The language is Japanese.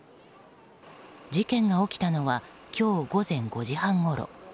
事件が起きたのは今日午前５時半ごろ。